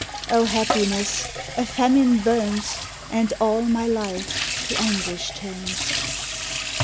O Happiness ! A famine burns, And all my life to anguish turns